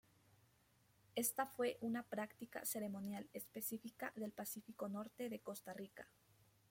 Esta fue una práctica ceremonial específica del Pacífico norte de Costa Rica.